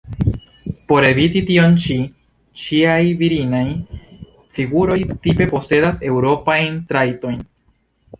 Por eviti tion ĉi, ŝiaj virinaj figuroj tipe posedas eŭropajn trajtojn.